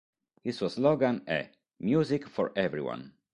Il suo slogan è: "Music For Everyone".